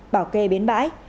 bảo kê biến bãi